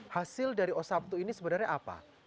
hasil dari osaptu ini sebenarnya apa